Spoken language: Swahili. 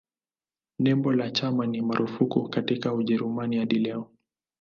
Nembo la chama ni marufuku katika Ujerumani hadi leo.